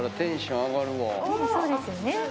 そうですよね。